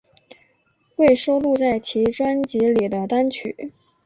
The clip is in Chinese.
未收录在其专辑里的单曲